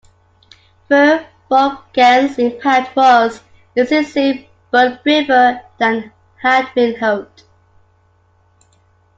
Verbrugghen's impact was incisive but briefer than had been hoped.